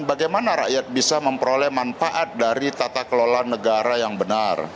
bagaimana rakyat bisa memperoleh manfaat dari tata kelola negara yang benar